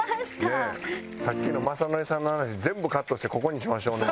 さっきの雅紀さんの話全部カットしてここにしましょうね。